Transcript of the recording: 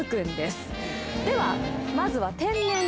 ではまずは。